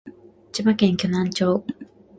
千葉県鋸南町